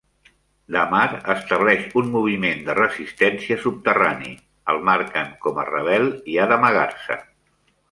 Damar estableix un moviment de resistència subterrani, el marquen com a rebel i ha d'amagar-se.